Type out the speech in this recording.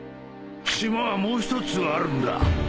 島はもう一つあるんだ！